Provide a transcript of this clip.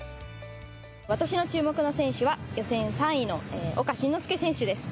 私の注目の選手は予選３位の岡慎之助選手です。